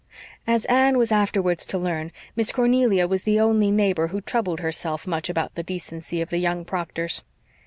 As Anne was afterwards to learn, Miss Cornelia was the only neighbor who troubled herself much about the decency of the young Proctors.